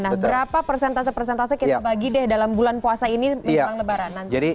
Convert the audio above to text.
nah berapa persentase persentase kita bagi deh dalam bulan puasa ini